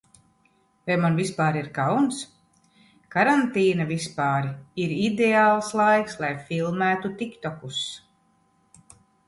Vai man vispār ir kauns? Karantīna vispār ir ideāls laiks, lai filmētu tiktokus.